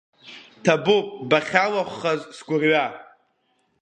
Ҭабуп бахьалахәхаз сгәырҩа.